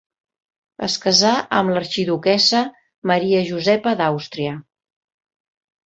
Es casà amb l'arxiduquessa Maria Josepa d'Àustria.